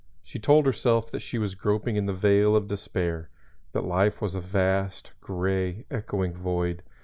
She told herself that she was groping in the vale of despair, that life was a vast, gray, echoing void.